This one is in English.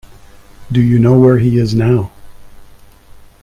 Do you know where he is now?